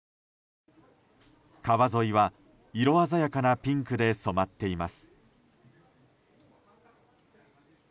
川沿いは色鮮やかなピンクで染まっています。